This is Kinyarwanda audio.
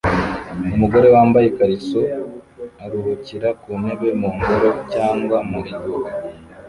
Umugore wambaye ikariso aruhukira ku ntebe mu ngoro cyangwa mu iduka